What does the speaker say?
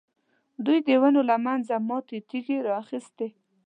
دوی د ونو له منځه ماتې تېږې را اخیستې.